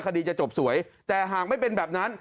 จะจบสวยแต่หากไม่เป็นแบบนั้น